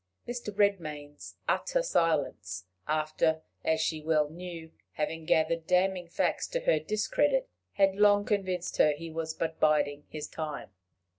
Mr. Redmain's utter silence, after, as she well knew, having gathered damning facts to her discredit, had long convinced her he was but biding his time.